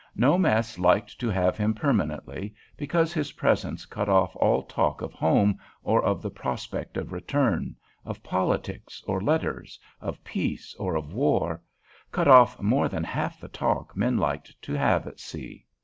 No mess liked to have him permanently, because his presence cut off all talk of home or of the prospect of return, of politics or letters, of peace or of war, cut off more than half the talk men liked to have at sea.